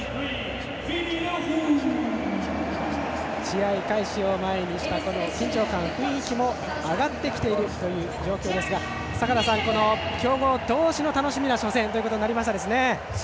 試合開始を前に緊張感雰囲気も上がってきている状況ですが坂田さん、強豪同士の楽しみな初戦となりましたね。